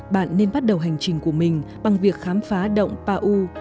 bạn nên bắt đầu hành trình của mình bằng việc khám phá động pa u